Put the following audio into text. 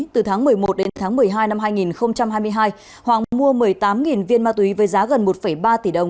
từ tháng một mươi một đến tháng một mươi hai năm hai nghìn hai mươi hai hoàng mua một mươi tám viên ma túy với giá gần một ba tỷ đồng